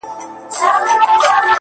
• هر ګړی بدلوي غېږ د لونډه ګانو -